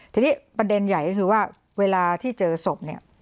ทีนี้ประเด็นใหญ่ก็คือว่าเวลาที่เจอศพเนี่ย